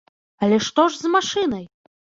Але што ж з машынай?